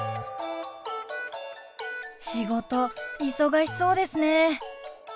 仕事忙しそうですね。